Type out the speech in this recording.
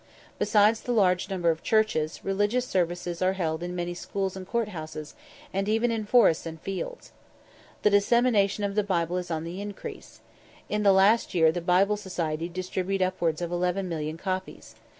Besides the large number of churches, religious services are held in many schools and courthouses, and even in forests and fields. The dissemination of the Bible is on the increase. In last year the Bible Society distributed upwards of 11,000,000 copies.